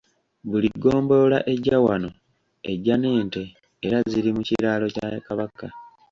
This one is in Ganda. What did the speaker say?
Buli ggombolola ejja wano ejja n'ente era ziri mu kiraalo kya Kabaka.